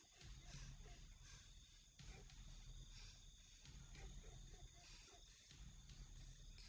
mau jadi kayak gini sih salah buat apa